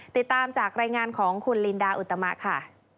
ติดตามจากรายงานของคุณลินดาอุตมะค่ะ